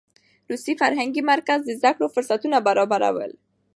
روسي فرهنګي مرکز د زده کړو فرصتونه برابرول.